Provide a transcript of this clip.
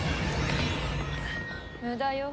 無駄よ。